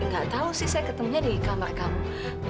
gak tau sih saya ketemunya di kamar kamu